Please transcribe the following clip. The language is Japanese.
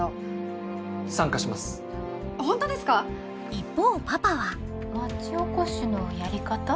一方パパは町おこしのやり方？